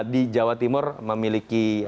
di jawa timur memiliki